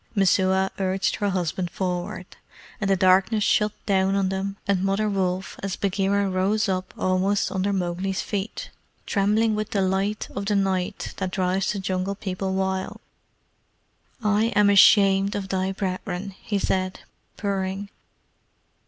Messua urged her husband forward, and the darkness shut down on them and Mother Wolf as Bagheera rose up almost under Mowgli's feet, trembling with delight of the night that drives the Jungle People wild. "I am ashamed of thy brethren," he said, purring.